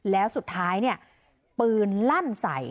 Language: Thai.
แล้วสุดท้ายเนี่ยปืนลั่นใส่